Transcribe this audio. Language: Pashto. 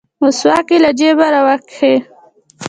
مسواک يې له جيبه راوکيښ.